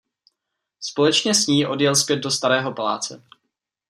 Společně s ní odjel zpět do starého paláce.